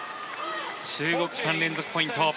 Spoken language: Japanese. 中国、３連続ポイント。